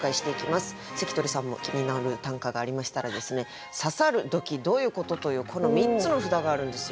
関取さんも気になる短歌がありましたらですね「刺さる」「ドキッ」「どういうこと？」というこの３つの札があるんですよ。